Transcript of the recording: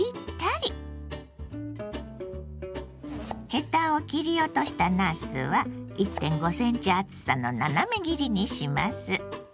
ヘタを切り落としたなすは１．５ｃｍ厚さの斜め切りにします。